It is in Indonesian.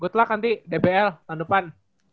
good luck nanti dbl tahun depan